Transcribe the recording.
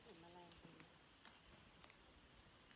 ไม่เอาแต่แบบนี้